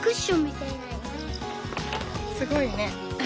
すごいね。